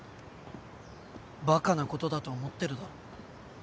バカなことだと思ってるだろ。